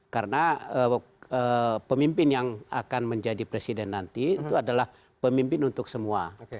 karena pemimpin yang akan menjadi presiden nanti itu adalah pemimpin untuk semua